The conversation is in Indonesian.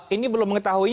ini belum mengetahuinya